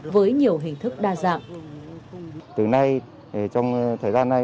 với nhiều hình thức đa dạng